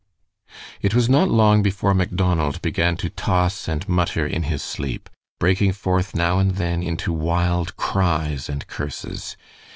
It was not long before Macdonald began to toss and mutter in his sleep, breaking forth now and then into wild cries and curses.